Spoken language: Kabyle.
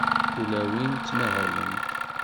Tulawin ttmahalent.